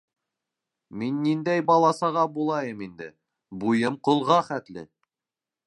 Мин ниндәй бала-саға булайым инде, буйым ҡолға хәтле!